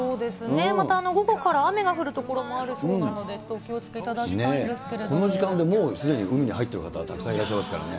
また午後から雨が降る所もあるそうなので、ちょっとお気を付けいこの時間でもうすでに海に入ってる方はたくさんいらっしゃいますからね。